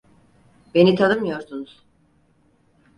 Beni tanımıyorsunuz.